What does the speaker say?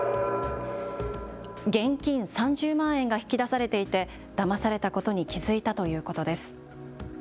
現金３０万円が引き出されていてだまされたことに気付いたということです。